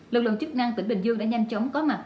lực lượng chức năng tỉnh bình dương đã nhanh chóng có mặt